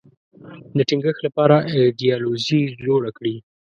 د ټینګښت لپاره ایدیالوژي جوړه کړي